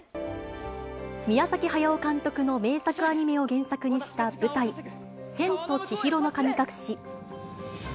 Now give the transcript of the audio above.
宮崎駿監督の名作アニメを原作にした舞台、千と千尋の神隠し。